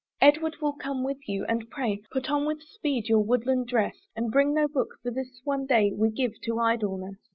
Edward will come with you, and pray, Put on with speed your woodland dress, And bring no book, for this one day We'll give to idleness.